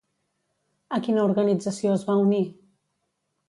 A quina organització es va unir?